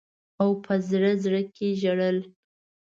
او په زړه زړه کي ژړل.